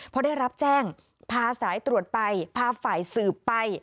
พอได้รับแจ้งพาสายตรวจไปพาฝ่ายสืบไป